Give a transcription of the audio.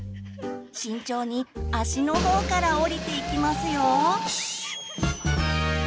慎重に足のほうから下りていきますよ。